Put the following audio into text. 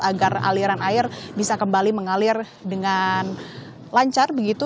agar aliran air bisa kembali mengalir dengan lancar begitu